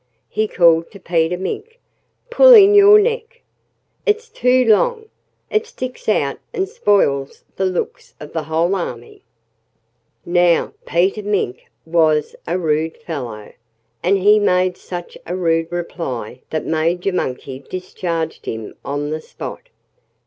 he called to Peter Mink. "Pull in your neck! It's too long! It sticks out and spoils the looks of the whole army." Now, Peter Mink was a rude fellow. And he made such a rude reply that Major Monkey discharged him on the spot.